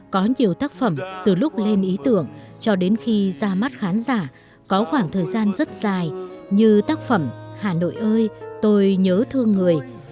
có nhiều tác phẩm từ lúc lên ý tưởng cho đến khi ra mắt khán giả có khoảng thời gian rất dài như tác phẩm hà nội ơi tôi nhớ thương người